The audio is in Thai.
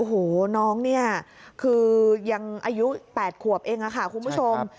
โอ้โหน้องเนี่ยคือยังอายุ๘ขวบเองค่ะคุณผู้ชม